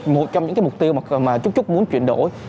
một trong những cái mục tiêu mà trúc trúc muốn chuyển đổi